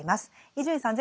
伊集院さん